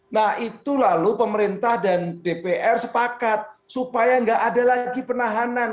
nah itu lalu pemerintah dan dpr sepakat supaya nggak ada lagi penahanan